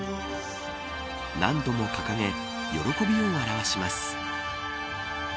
何度も掲げ喜びを表します。